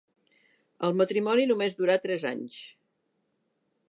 El matrimoni només durà tres anys.